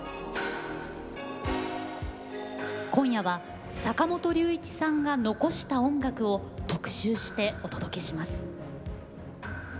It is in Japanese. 今夜は、坂本龍一さんが残した音楽を特集してお届けします。